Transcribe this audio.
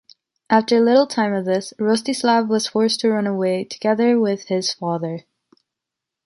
After little time of this, Rostislav was forced to run away together with his father.